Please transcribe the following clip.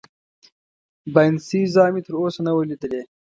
باینسیزا مې تراوسه نه وه لیدلې.